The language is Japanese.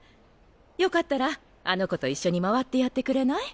よかったらあの子と一緒に回ってやってくれない？